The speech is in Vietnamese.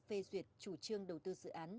phê duyệt chủ trương đầu tư dự án